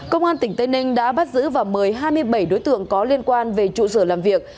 công an tỉnh tây ninh đã bắt giữ và mời hai mươi bảy đối tượng có liên quan về trụ sở làm việc